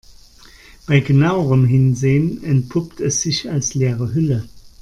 Bei genauerem Hinsehen entpuppt es sich als leere Hülle.